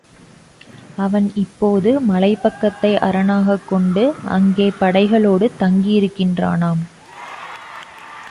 அவன் இப்போது மலைப்பக்கத்தை அரணாகக் கொண்டு அங்கே படைகளோடு தங்கியிருக்கின்றானாம்.